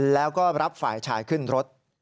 แล้วก็รับฝ่ายชายขึ้นรถ